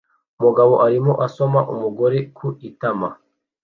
Umugabo arimo asoma umugore ku itama